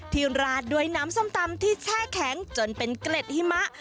ราดด้วยน้ำส้มตำที่แช่แข็งจนเป็นเกล็ดหิมะ